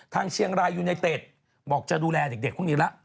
ทางเชียงรายยูไนเต็ดบอกจะดูแลเด็กพวกนี้ละ